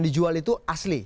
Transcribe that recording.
dijual itu asli